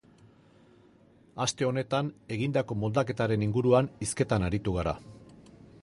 Aste honetan egindako moldaketaren inguruan hizketan aritu gara.